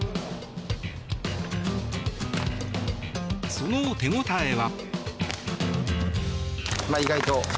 その手応えは。